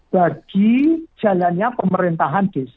bagi jalannya pemerintahan desa